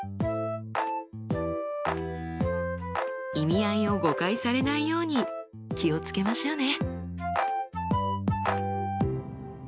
意味合いを誤解されないように気を付けましょうね！